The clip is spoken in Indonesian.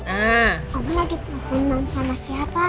apa lagi pengen sama siapa